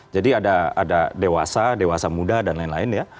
jadi ada dewasa dewasa muda dan lain lain ya